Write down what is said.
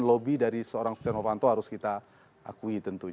lobby dari seorang stianofanto harus kita akui tentunya